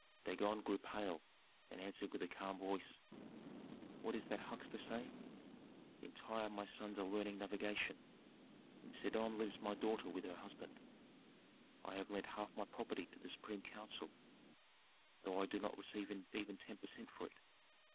Dagon grew pale and answered with a calm voice, "What is that huckster saying? In Tyre my sons are learning navigation; in Sidon lives my daughter with her husband. I have lent half my property to the supreme council, though I do not receive even ten per cent for it.